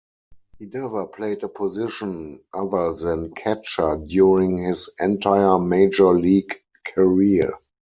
He never played a position other than catcher during his entire major league career.